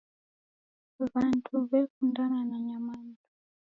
Wandu wekundana na nyamandu.